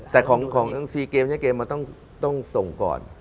แต่ของทั้งเกมต้องส่งก่อน